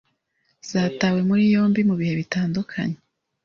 zataye muri yombi mu bihe bitandukanye,